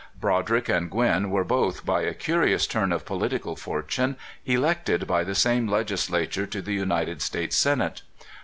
Broderick and Gwin were both, by a curious turn of political fortune, elected by the same Legisla ture to the United States Senate.